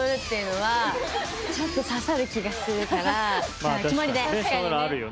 じゃあ、決まりで。